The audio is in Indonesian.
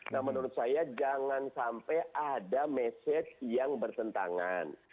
nah menurut saya jangan sampai ada message yang bertentangan